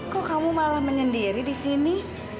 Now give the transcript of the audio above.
kok kamu malah menyendiri di sini